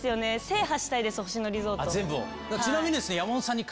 制覇したいです星野リゾートを。